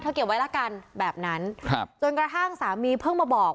เก็บไว้ละกันแบบนั้นครับจนกระทั่งสามีเพิ่งมาบอก